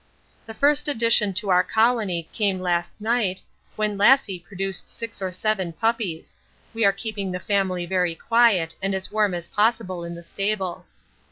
The first addition to our colony came last night, when 'Lassie' produced six or seven puppies we are keeping the family very quiet and as warm as possible in the stable.